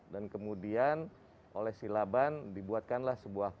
dan kemudian oleh silaban dibuatkanlah sebuah kubah